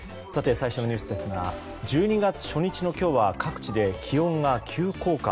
最初のニュースですが１２月初日の今日は各地で気温が急降下。